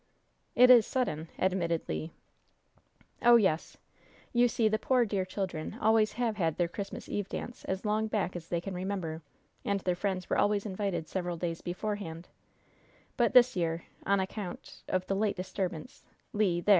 "It is sudden," admitted Le. "Oh, yes! You see, the poor, dear children, always have had their Christmas Eve dance as long back as they can remember, and their friends were always invited several days beforehand; but this year, on account of the late disturbance, Le there!